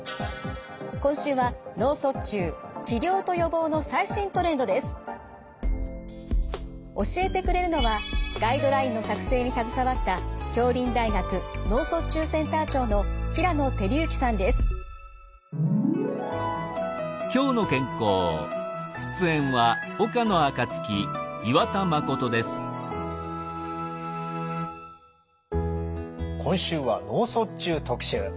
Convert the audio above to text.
今週は教えてくれるのはガイドラインの作成に携わった今週は脳卒中特集。